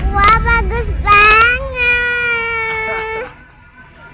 wah bagus banget